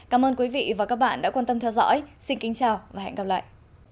cảm ơn quý vị và các bạn đã quan tâm theo dõi xin kính chào và hẹn gặp lại